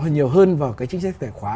hơn nhiều hơn vào cái chính sách tài khoá